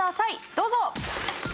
どうぞ！